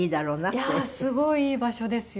いやーすごいいい場所ですよ。